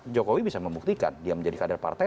jokowi bisa membuktikan dia menjadi kader partai